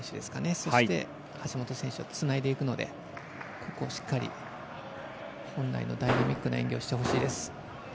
そして、橋本選手をつないでいくのでここをしっかり本来のダイナミックな演技をしてほしいです。